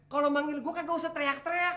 kalau lo manggil gue gak usah teriak teriak